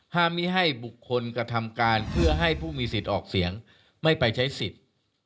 ไม่ให้บุคคลกระทำการเพื่อให้ผู้มีสิทธิ์ออกเสียงไม่ไปใช้สิทธิ์